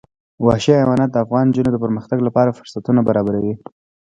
وحشي حیوانات د افغان نجونو د پرمختګ لپاره فرصتونه برابروي.